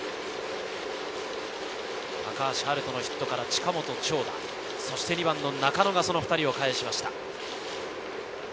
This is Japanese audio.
高橋遥人のヒットから近本の長打、そして２番・中野が２人をかえしました。